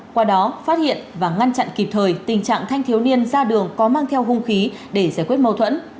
qua đó phát hiện và ngăn chặn kịp thời tình trạng thanh thiếu niên ra đường có mang theo hung khí để giải quyết mâu thuẫn